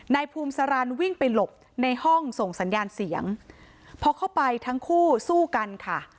นายภูมิสารันวิ่งไปหลบในห้องส่งสัญญาณเสียงพอเข้าไปทั้งคู่สู้กันค่ะ